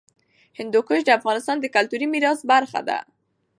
هندوکش د افغانستان د کلتوري میراث برخه ده.